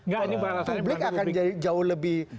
kalau publik akan jadi jauh lebih